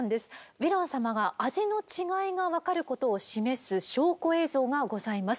ヴィラン様が味の違いが分かることを示す証拠映像がございます。